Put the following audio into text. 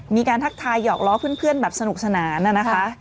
มีการทักทายหยอกล้อเพื่อนแบบสนุกสนานน่ะนะคะค่ะ